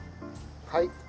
はい。